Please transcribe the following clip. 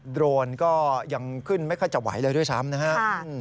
โรนก็ยังขึ้นไม่ค่อยจะไหวเลยด้วยซ้ำนะครับ